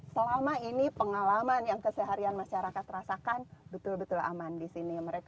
selama ini pengalaman yang keseharian masyarakat rasakan betul betul aman di sini